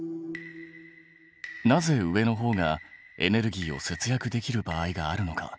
なぜ上のほうがエネルギーを節約できる場合があるのか。